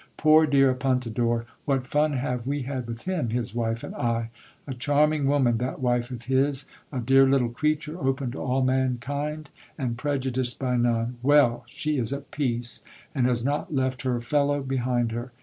Poor dear Apun tador ! What fun have we had with him, his wife and I ! A charming woman, that wife of his ! A dear little creature, open to all mankind, and prejudiced by none ! Well ! she is at peace, and has not left her fellow behind her